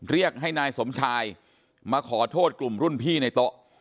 เรียกให้นายสมชายมาขอโทษกลุ่มรุ่นพี่ในโต๊ะ